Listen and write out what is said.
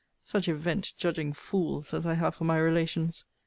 Such event judging fools as I have for my relations!